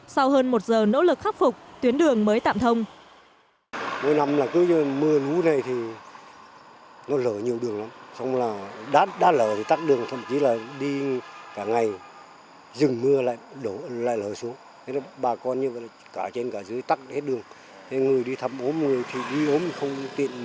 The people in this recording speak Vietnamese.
sau hơn một giờ nỗ lực khắc phục tuyến đường mới tạm thông